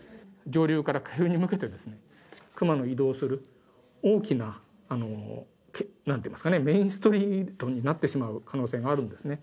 上流から下流に向けて、クマの移動する大きな、なんて言いますかね、メインストリートになってしまう可能性があるんですね。